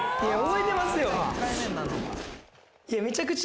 覚えてますよ。